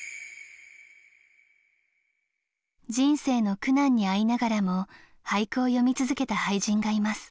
人生の苦難に遭いながらも俳句を詠み続けた俳人がいます。